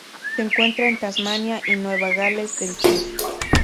Se encuentra en Tasmania y Nueva Gales del Sur.